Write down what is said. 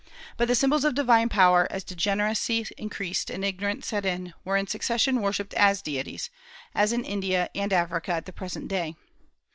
But the symbols of divine power, as degeneracy increased and ignorance set in, were in succession worshipped as deities, as in India and Africa at the present day.